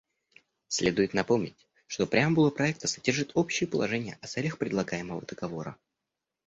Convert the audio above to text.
Следует напомнить, что преамбула проекта содержит общие положения о целях предлагаемого договора.